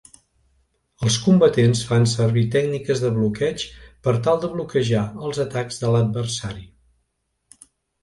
Els combatents fan servir tècniques de bloqueig per tal de bloquejar els atacs de l'adversari.